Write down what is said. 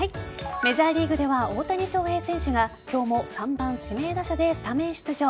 メジャーリーグでは大谷翔平選手が今日も３番・指名打者でスタメン出場。